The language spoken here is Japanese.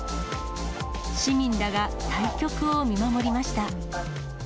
市民らが対局を見守りました。